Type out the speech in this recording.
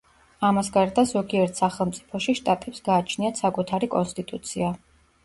ამას გარდა, ზოგიერთ სახელმწიფოში შტატებს გააჩნიათ საკუთარი კონსტიტუცია.